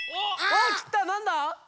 おっきたなんだ？